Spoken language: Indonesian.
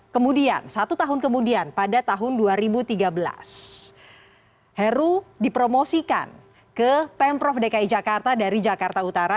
kemudian satu tahun kemudian pada tahun dua ribu tiga belas heru dipromosikan ke pemprov dki jakarta dari jakarta utara